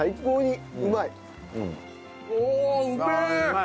あうまい！